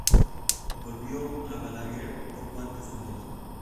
Volvió a Balaguer poco antes de morir.